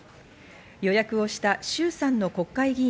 予約をした衆参の国会議員